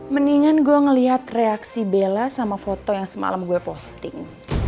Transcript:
mendingan gue ngeliat reaksi bella sama foto yang semalam gue posting